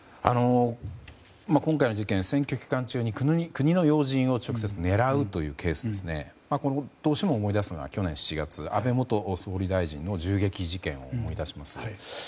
今回の事件、選挙期間中に国の要人を直接狙うというケースでどうしても思い出すのは去年７月、安倍元総理大臣の銃撃事件を思い出しますが。